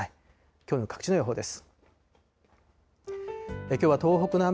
きょうの各地の予報です。